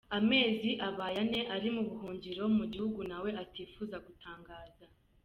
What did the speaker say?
Amezi abaye ane ari mu buhungiro mu gihugu nawe atifuza gutangaza.